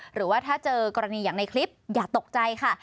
หรือว่าถ้าเจอกรณีอย่างในคลิปอย่าตกใจค่ะ